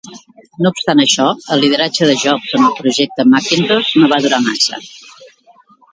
No obstant això, el lideratge de Jobs en el projecte Macintosh no va durar massa.